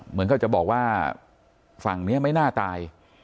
เหมือนกับจะบอกว่าฝั่งนี้ไม่น่าตาย